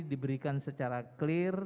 diberikan secara clear